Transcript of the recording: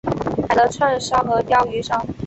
买了串烧和鲷鱼烧